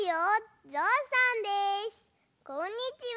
こんにちは。